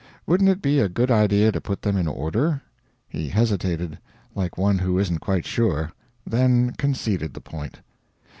Wouldn't it be a good idea to put them in order? He hesitated like one who isn't quite sure then conceded the point.